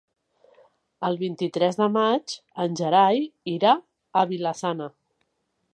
El vint-i-tres de maig en Gerai irà a Vila-sana.